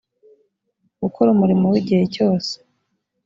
gukora umurimo w igihe cyose